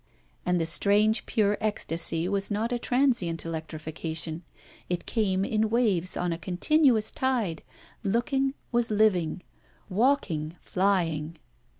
And the strange pure ecstasy was not a transient electrification; it came in waves on a continuous tide; looking was living; walking flying.